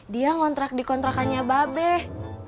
dia ngontrak di kontrakannya babeh